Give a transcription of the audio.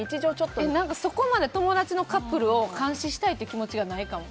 そこまで友達のカップルを監視したいって気持ちがないかも。